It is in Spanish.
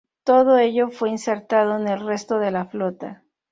Todo ello fue insertado en el resto de la flota.